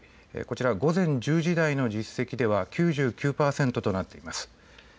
こちら午前１０時台の実績では９９％となっています。